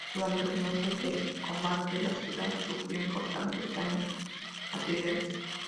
Durante los meses de combates la ciudad sufrió importantes daños materiales.